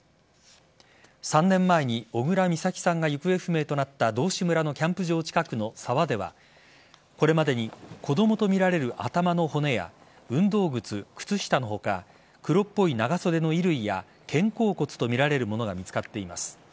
３年前に小倉美咲さんが行方不明となった道志村のキャンプ場近くの沢ではこれまでに子供とみられる頭の骨や運動靴、靴下の他黒っぽい長袖の衣類や肩甲骨とみられるものが見つかっています。